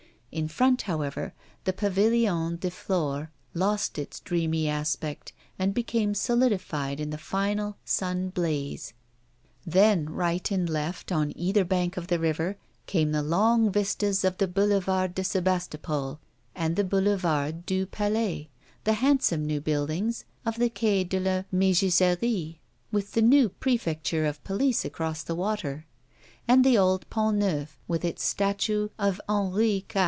In front, however, the Pavillon de Flore lost its dreamy aspect, and became solidified in the final sun blaze. Then right and left, on either bank of the river, came the long vistas of the Boulevard de Sebastopol and the Boulevard du Palais; the handsome new buildings of the Quai de la Megisserie, with the new Prefecture of Police across the water; and the old Pont Neuf, with its statue of Henri IV.